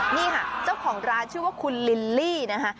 นี่ค่ะเจ้าของร้านชื่อว่าคุณลิลลี่นะคะ